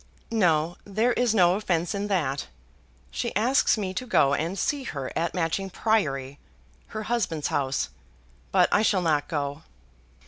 "No, there is no offence in that. She asks me to go and see her at Matching Priory, her husband's house; but I shall not go."